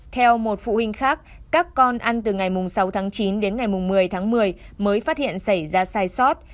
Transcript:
theo một phụ huynh khác các con ăn từ ngày sáu tháng chín đến ngày một mươi tháng một mươi mới phát hiện xảy ra sai sót